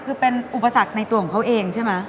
คือเป็นอุปสรรคในตัวของเขาเองใช่ไหม